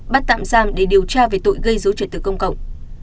bắt tạm giam để điều tra về tội gây dối trật tự công cộng